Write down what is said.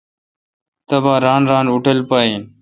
تبا ران ران اوٹل پہ این۔